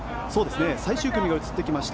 最終組が映ってきました。